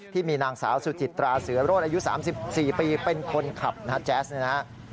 ที่มีนางสาวสุจิตราเสือโรศอายุ๓๔ปีเป็นคนขับนะฮะแจ๊สเนี่ยนะฮะ